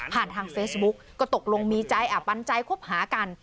ทางเฟซบุ๊กก็ตกลงมีใจปันใจคบหากัน